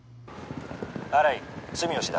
新井住吉だ